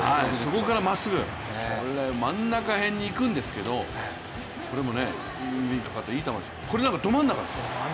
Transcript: そこからまっすぐ、真ん中辺に行くんですけどこれもいい球ですよ、これなんかど真ん中ですからね。